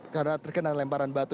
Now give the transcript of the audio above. karena terkena lemparan batu